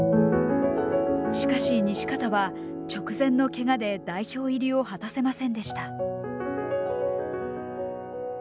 しかし西方は直前のけがで代表入りを果たせませんでした。